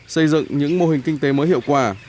xây dựng những mô hình kinh tế mới hiệu quả